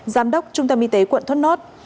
giám đốc trung tâm y tế quận thốt nốt